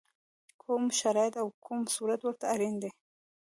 کوم شرایط او کوم صورت ورته اړین دی؟